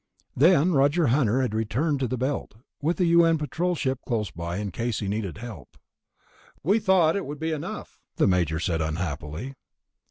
Then Roger Hunter had returned to the Belt, with a U.N. Patrol ship close by in case he needed help. "We thought it would be enough," the Major said unhappily.